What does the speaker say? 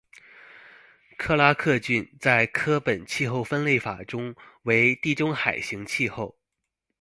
克拉克郡在柯本气候分类法中为地中海型气候。